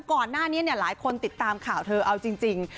ก่อนหน้านี้หลายคนติดตามข่าวเธอเอาจริง